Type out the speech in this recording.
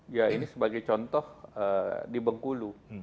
ya ini sebagai contoh di bengkulu